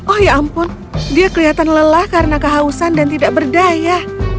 oh ya ampun dia kelihatan lelah karena kehausan dan tidak berdaya